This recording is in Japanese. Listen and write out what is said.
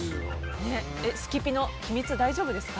好きピの秘密、大丈夫ですか？